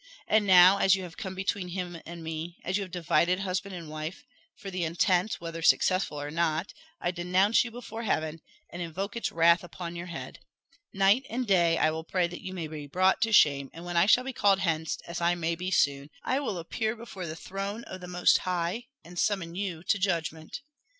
And now, as you have come between him and me as you have divided husband and wife for the intent, whether successful or not, I denounce you before Heaven, and invoke its wrath upon your head. Night and day I will pray that you may be brought to shame; and when I shall be called hence, as I maybe soon, I will appear before the throne of the Most High, and summon you to judgment."